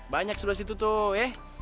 banyak sebelah situ tuh ya